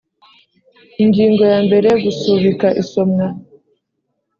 Ingingo yambere Gusubika isomwa